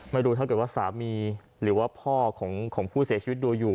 ไม่รู้ว่าถ้าเกิดว่าสามีหรือว่าพ่อของผู้เสียชีวิตดูอยู่